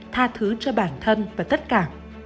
tha thứ cho bản thân và tất cả